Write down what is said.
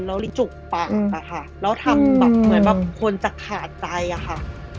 แล้วจุกปากอะค่ะแล้วทำแบบเหมือนแบบคนจะขาดใจอะค่ะ